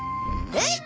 えっ！？